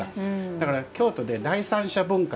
だから、京都で第三者文化